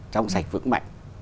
trong sạch vững mạnh